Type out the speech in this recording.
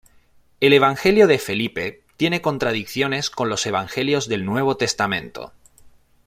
El evangelio de Felipe tiene contradicciones con los evangelios del nuevo testamento.